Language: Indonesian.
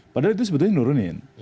padahal itu sebetulnya nurunin